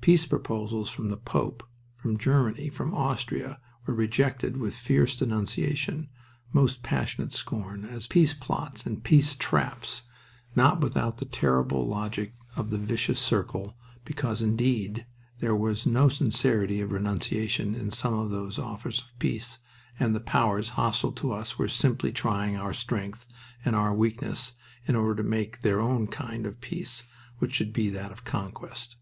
Peace proposals from the Pope, from Germany, from Austria, were rejected with fierce denunciation, most passionate scorn, as "peace plots" and "peace traps," not without the terrible logic of the vicious circle, because, indeed, there was no sincerity of renunciation in some of those offers of peace, and the powers hostile to us were simply trying our strength and our weakness in order to make their own kind of peace which should be that of conquest.